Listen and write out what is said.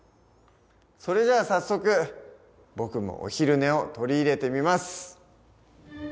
それじゃあ早速僕もお昼寝を取り入れてみます。